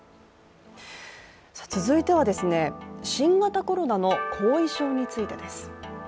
続いては、新型コロナの後遺症についてです。